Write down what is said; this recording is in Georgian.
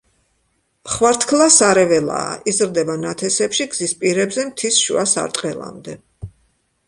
ხვართქლა სარეველაა, იზრდება ნათესებში, გზის პირებზე, მთის შუა სარტყელამდე.